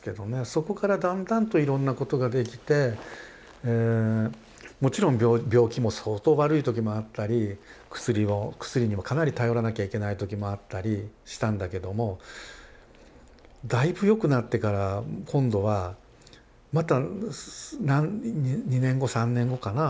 そこからだんだんといろんなことができてもちろん病気も相当悪い時もあったり薬にもかなり頼らなきゃいけない時もあったりしたんだけどもだいぶよくなってから今度はまた２年後３年後かな